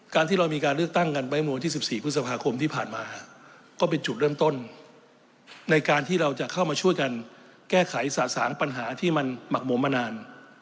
ที่เรามีการเลือกตั้งกันไว้เมื่อวันที่๑๔พฤษภาคมที่ผ่านมาก็เป็นจุดเริ่มต้นในการที่เราจะเข้ามาช่วยกันแก้ไขสะสางปัญหาที่มันหมักหมวมมานาน